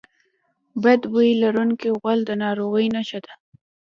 بد بوی لرونکی غول د ناروغۍ نښه ده.